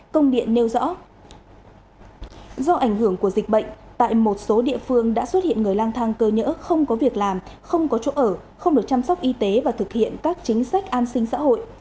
công điện nêu rõ dịch bệnh tại một số địa phương đã xuất hiện người lang thang cơ nhỡ không có việc làm không có chỗ ở không được chăm sóc y tế và thực hiện các chính sách an sinh xã hội